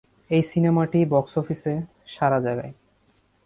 এই সিনেমাটি box office সাড়া জাগায়।